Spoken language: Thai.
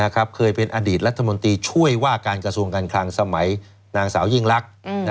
เคยเป็นอดีตรัฐมนตรีช่วยว่าการกระทรวงการคลังสมัยนางสาวยิ่งลักษณ์